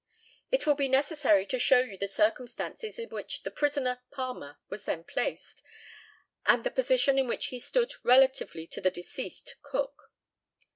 It will be necessary to show you the circumstances in which the prisoner Palmer was then placed, and the position in which he stood relatively to the deceased Cook.